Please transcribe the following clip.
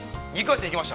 ◆行きました。